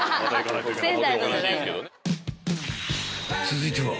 ［続いては］